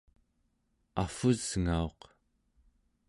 avvusngauq